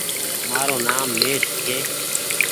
مآرو نآم مهيش ڇي۔